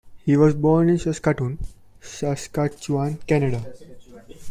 He was born in Saskatoon, Saskatchewan, Canada.